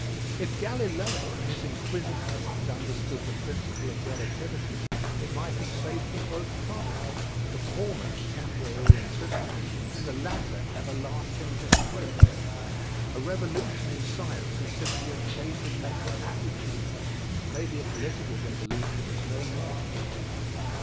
If Galileo and his inquisitors had understood the Prin ciple of Relativity it might have saved them both trouble; the former temporary imprisonment and the latter everlasting disgrace. A revolution in science is simply a change in mental attitude. Maybe a political revolution is no more.